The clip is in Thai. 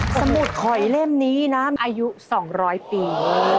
สมุดข่อยเล่มนี้นะอายุ๒๐๐ปี